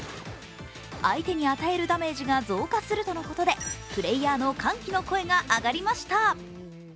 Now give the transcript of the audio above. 相手に与えるダメージが増加するとのことでプレーヤーの歓喜の声が上がりました。